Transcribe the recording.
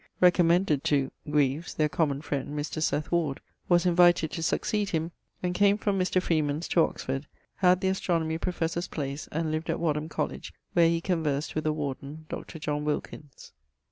recommended to ... Greaves, their common friend, Mr. Seth Ward) was invited to succeed him, and came from Mr. Freeman's to Oxford, had the Astronomy Professor's place, and lived at Wadham Colledge, where he conversed with the warden, Dr. John Wilkins.